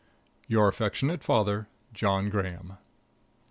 Your affectionate father, JOHN GRAHAM.